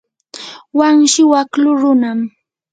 wanshi waklu runam.